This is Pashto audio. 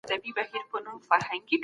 سازمانونه چیري د مدني ټولني ملاتړ کوي؟